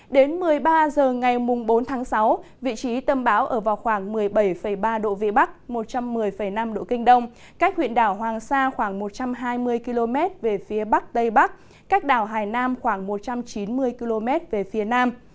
đến một mươi ba h ngày bốn tháng sáu vị trí tâm bão ở vào khoảng một mươi bảy ba độ vĩ bắc một trăm một mươi năm độ kinh đông cách huyện đảo hoàng sa khoảng một trăm hai mươi km về phía bắc tây bắc cách đảo hải nam khoảng một trăm chín mươi km về phía nam